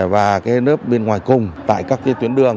và cái nớp bên ngoài cùng tại các cái tuyến đường